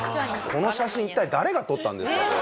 この写真一体誰が撮ったんですか？